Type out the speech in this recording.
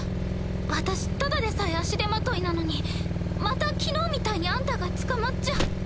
私ただでさえ足手まといなのにまた昨日みたいにあんたが捕まっちゃうっ。